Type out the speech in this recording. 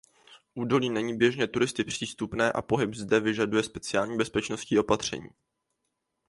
Údolí není běžně turisticky přístupné a pohyb zde vyžaduje speciální bezpečnostní opatření.